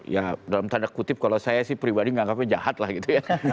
ya dalam tanda kutip kalau saya sih pribadi menganggapnya jahat lah gitu ya